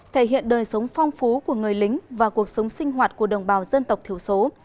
thể hiện đời sống phong phú của người lính và cuộc sống sinh hoạt của đồng bào dân tộc thiểu số